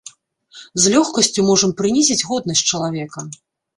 З лёгкасцю можам прынізіць годнасць чалавека.